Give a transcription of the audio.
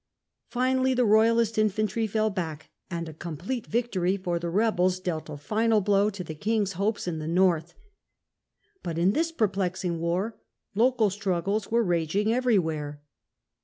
Finally the Royalist infantry fell back, and a complete victory for the rebels dealt a final blow to the king's hopes in the North. But in this perplexing war local struggles were raging every where.